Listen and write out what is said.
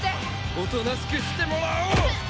おとなしくしてもらおう！うっ！